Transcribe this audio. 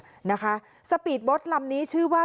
ยาวุฒโภทองคนนี้คือบัตรเจ็บสาหัสแล้วอยู่ในห้องน้ำในเรือนะคะ